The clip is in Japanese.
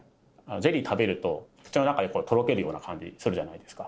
ゼリーを食べると口の中でとろけるような感じするじゃないですか。